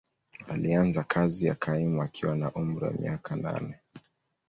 Alianza kazi ya kaimu akiwa na umri wa miaka nane.